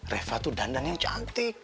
reva tuh dandan yang cantik